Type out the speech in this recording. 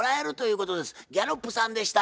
ギャロップさんでした。